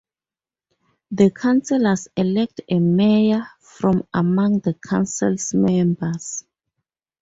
The councillors elect a mayor from among the council's members.